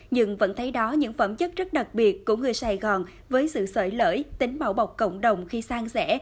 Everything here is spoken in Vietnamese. nhưng vẫn thấy đó những phẩm chất rất đặc biệt của người sài gòn với sự sợi lỡi tính bảo bọc cộng đồng khi sang rẽ